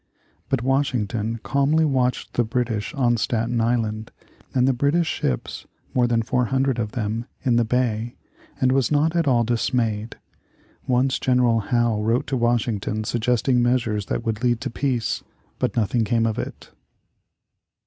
But Washington calmly watched the British on Staten Island, and the British ships, more than 400 of them, in the bay, and was not at all dismayed. Once General Howe wrote to Washington suggesting measures that would lead to peace, but nothing came of it.